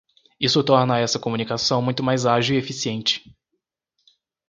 Isso torna essa comunicação muito mais ágil e eficiente.